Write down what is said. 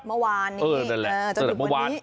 เมื่อวานนี้เออนั่นแหละจนถึงเมื่อวาน